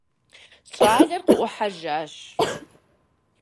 Щӏалэр къыӏухьэжащ.